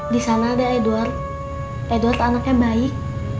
di sana ada edoar edward anaknya baik